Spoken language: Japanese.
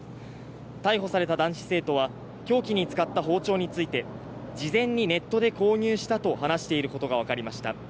逮捕された男子生徒は凶器に使った包丁について事前にネットで購入したと話していることが分かりました。